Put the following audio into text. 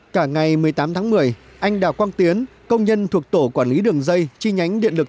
cả ngày một mươi tám tháng một mươi anh đào quang tiến công nhân thuộc tổ quản lý đường dây chi nhánh điện lực